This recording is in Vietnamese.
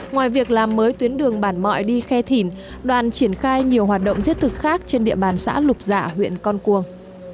ngoài việc làm mới tuyến đường bản mọi đi khe thỉn đoàn triển khai nhiều hoạt động thiết thực khác trên địa bàn xã lục dạ huyện con cuông